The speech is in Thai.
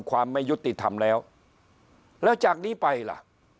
ความไม่ยุติธรรมแล้วแล้วจากนี้ไปล่ะ